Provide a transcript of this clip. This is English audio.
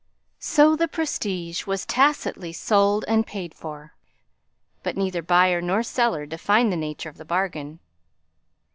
So the prestige was tacitly sold and paid for; but neither buyer nor seller defined the nature of the bargain.